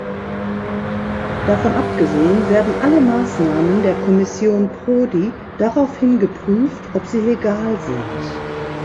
Davon abgesehen, werden alle Maßnahmen der Kommission Prodi daraufhin geprüft, ob sie legal sind.